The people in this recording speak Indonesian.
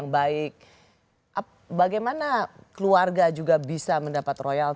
bagaimana keluarga juga bisa mendapat royalti